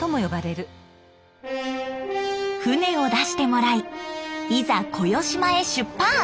船を出してもらいいざ小与島へ出発！